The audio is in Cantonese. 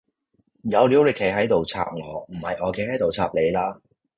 有料你企喺度插我唔係我企喺度插你啦